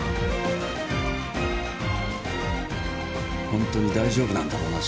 ホントに大丈夫なんだろうな？